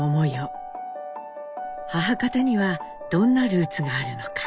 母方にはどんなルーツがあるのか。